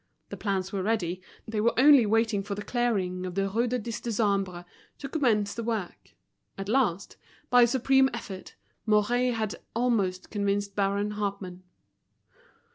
The plans were ready, they were only waiting for the clearing of the Rue du Dix Décembre to commence the work. At last, by a supreme effort, Mouret had almost convinced Baron Hartmann.